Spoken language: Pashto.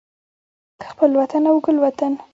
خپل وطن او ګل وطن